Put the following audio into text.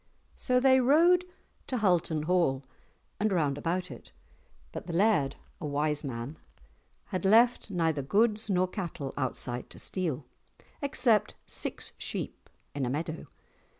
So they rode to Hulton Hall and round about it, but the laird, a wise man, had left neither goods nor cattle outside to steal, except six sheep in a meadow.